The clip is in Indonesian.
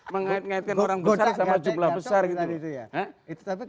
mengait ngaitkan orang besar sama jumlah besar